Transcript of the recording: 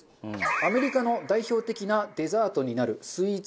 アメリカの代表的なデザートになるスイーツ